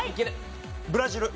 ブラジル。